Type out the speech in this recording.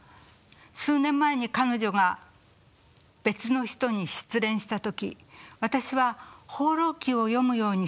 数年前に彼女が別の人に失恋した時私は「放浪記」を読むように薦めました。